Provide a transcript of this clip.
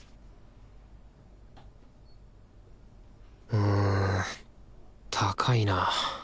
うん高いな。